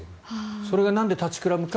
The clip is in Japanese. それが何で立ちくらむか。